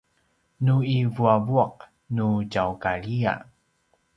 nu i vuavuaq nu tjaukaljiya